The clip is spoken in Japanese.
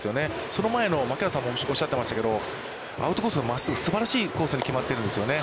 その前の、槙原さんもおっしゃってましたけれども、アウトコースの真っすぐ、すばらしいコースに決まってるんですよね。